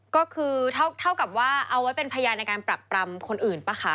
ก็คือเท่ากับว่าเอาไว้เป็นพยานในการปรักปรำคนอื่นป่ะคะ